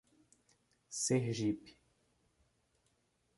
Sergipe